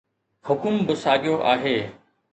حڪم به ساڳيو آهي.